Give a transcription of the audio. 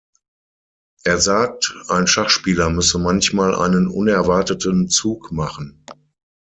Er sagt, ein Schachspieler müsse manchmal einen unerwarteten Zug machen.